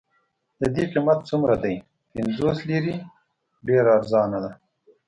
د دې قیمت څومره دی؟ پنځوس لیرې، ډېره ارزانه ده.